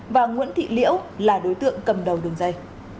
và nguyễn thị liễu là đối tượng cầm đầu đường dây